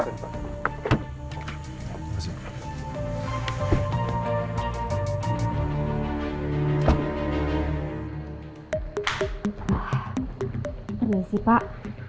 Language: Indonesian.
terima kasih pak